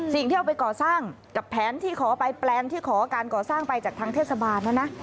สิ่งที่เอาไปก่อสร้างกับแผนที่ขอไปแปลงที่ขอการก่อสร้างไปจากทางเทศบาลนะนะ